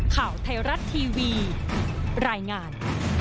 ข่าวไทยรัฐทีวีรายงาน